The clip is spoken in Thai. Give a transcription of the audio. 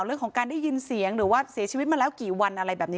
เรื่องของการได้ยินเสียงหรือว่าเสียชีวิตมาแล้วกี่วันอะไรแบบนี้